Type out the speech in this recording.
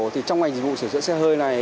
thì trong ngành dịch vụ sửa chữa xe hơi này